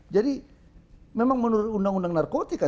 jadi memang menurut undang undang narkotika